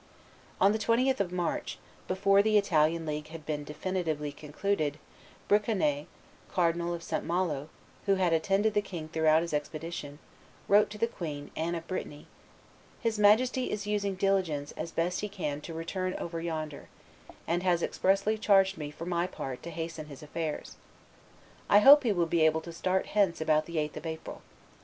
On the 20th of March, before the Italian league had been definitively concluded, Briconnet, Cardinal of St. Malo, who had attended the king throughout his expedition, wrote to the queen, Anne of Brittany, "His Majesty is using diligence as best he can to return over yonder, and has expressly charged me, for my part, to hasten his affairs. I hope he will be able to start hence about the 8th of April.